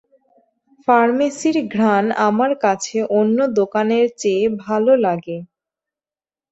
ফার্মেসির ঘ্রাণ আমার কাছে অন্য দোকানের চেয়ে ভালো লাগে।